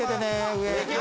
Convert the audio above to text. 上。